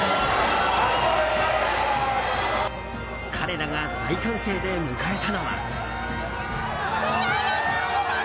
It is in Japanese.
彼らが大歓声で迎えたのは。